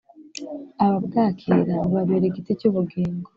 ababwakira bubabera igiti cy’ubugingo,